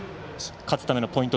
勝つためのポイント